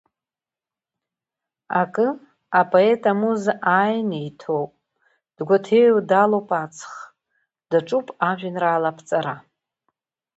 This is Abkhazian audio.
Акы, апоет амуза ааины иҭоуп, дгәаҭеиуа далоуп аҵх, даҿуп ажәеинраала аԥҵара.